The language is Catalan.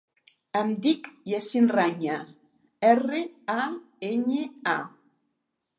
Em dic Yassin Raña: erra, a, enya, a.